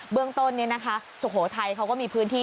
เบื้องต้นนี่นะคะโสโทไทยเขาก็มีพื้นที่